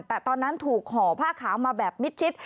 แต่ตอนนั้นถูกห่อผ้าขาวมาแบบมิดชิด